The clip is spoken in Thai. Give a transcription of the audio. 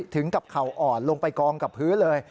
ถึงกับเข่าอ่อนลงไปกองกับพื้นเลย